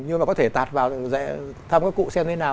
nhưng mà có thể tạt vào rẽ thăm các cụ xem thế nào